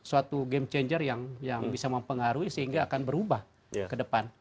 jadi suatu game changer yang bisa mempengaruhi sehingga akan berubah ke depan